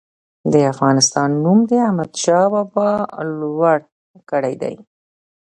د افغانستان نوم د احمدشاه بابا لوړ کړی دی.